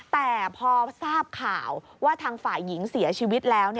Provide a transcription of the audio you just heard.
แต่พอทราบข่าวว่าทางฝ่ายหญิงเสียชีวิตแล้ว